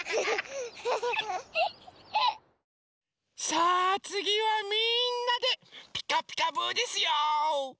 さあつぎはみんなで「ピカピカブ！」ですよ。